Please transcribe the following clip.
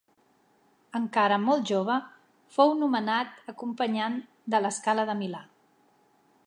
Encara molt jove, fou nomenat acompanyant de La Scala de Milà.